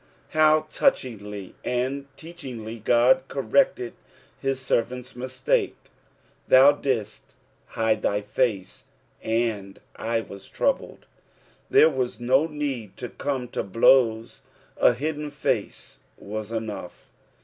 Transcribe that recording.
How touchiogiy and teochingly God corrected his servant's mistake :' Thou didid hide t/it//aet, and I tea* troubled." There wna no need to come to blows, a hidden face whs enough.